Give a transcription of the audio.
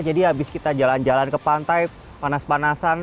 jadi habis kita jalan jalan ke pantai panas panasan